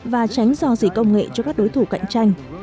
và tránh dò dỉ công nghệ cho các đối thủ cạnh tranh